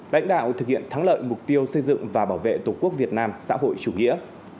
lãnh đạo thực hiện thắng lợi mục tiêu xây dựng và bảo vệ tổ quốc việt nam xã hội chủ nghĩa